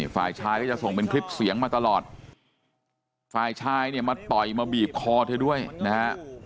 ฝ่ายชายก็จะส่งเป็นคลิปเสียงมาตลอดฝ่ายชายเนี่ยมาต่อยมาบีบคอเธอด้วยนะฮะ